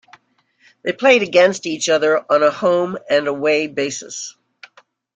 They played against each other on a home-and-away basis.